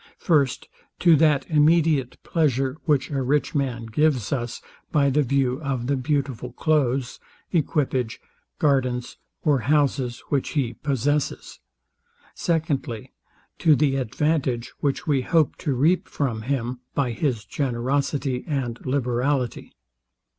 First, To that immediate pleasure, which a rich man gives us, by the view of the beautiful cloaths, equipage, gardens, or houses, which he possesses. Secondly, To the advantage, which we hope to reap from him by his generosity and liberality.